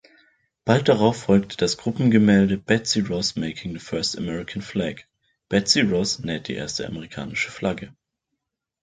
Bald darauf folgte das Gruppengemälde „Betsy Ross Making the First American Flag“ (Betsy Ross näht die erste amerikanische Flagge).